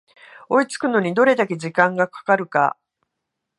追いつくのにどれだけ時間がかかるか